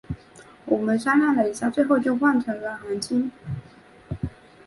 我们商量了一下最后就换成了韩青。